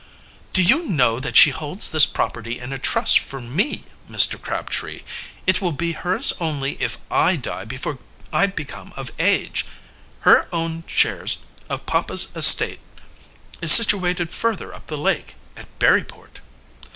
"Do you know that she holds this property in a trust for me, Mr. Crabtree? It will be hers only if I die before I become of age. Her own shares of papa's estate is situated further up the lake, at Berryport."